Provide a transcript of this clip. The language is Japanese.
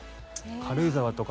軽井沢とか